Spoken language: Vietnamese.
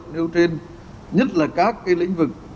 nêu trên nhất là các cái lĩnh vực